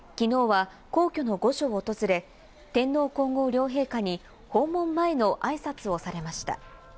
昨日は皇居の御所を訪れ、天皇皇后両陛下に訪問前の挨拶をされました。